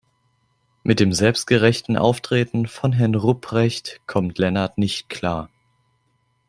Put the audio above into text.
Mit dem selbstgerechten Auftreten von Herrn Ruprecht kommt Lennart nicht klar.